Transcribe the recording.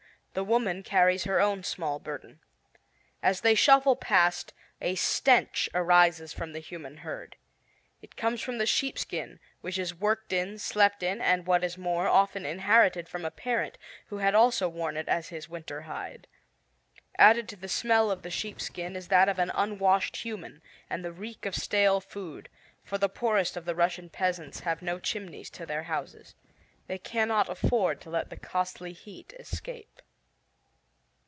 The woman carries her own small burden. As they shuffle past, a stench arises from the human herd. It comes from the sheepskin, which is worked in, slept in, and, what is more, often inherited from a parent who had also worn it as his winter hide. Added to the smell of the sheepskin is that of an unwashed human, and the reek of stale food, for the poorest of the Russian peasants have no chimneys to their houses. They cannot afford to let the costly heat escape.